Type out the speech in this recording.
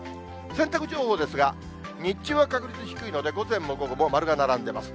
洗濯情報ですが、日中は確率低いので、午前も午後も丸が並んでます。